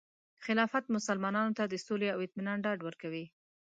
خلافت مسلمانانو ته د سولې او اطمینان ډاډ ورکوي.